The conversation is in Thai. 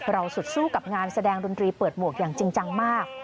สุดสู้กับงานแสดงดนตรีเปิดหมวกอย่างจริงจังมาก